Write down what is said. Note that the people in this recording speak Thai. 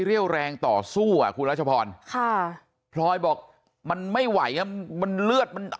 เรี่ยวแรงต่อสู้อ่ะคุณรัชพรค่ะพลอยบอกมันไม่ไหวอ่ะมันเลือดมัน